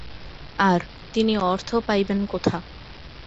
আর, তিনি অর্থ পাইবেন কোথা।